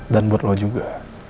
dan buat lo juga